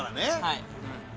はい。